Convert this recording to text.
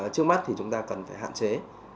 trước mắt thì chúng ta cần phải hạn chế